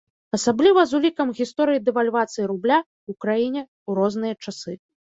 Асабліва з улікам гісторый дэвальвацыі рубля ў краіне ў розныя часы.